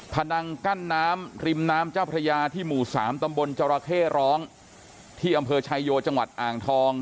นังกั้นน้ำริมน้ำเจ้าพระยาที่หมู่สามตำบลจราเข้ร้องที่อำเภอชายโยจังหวัดอ่างทอง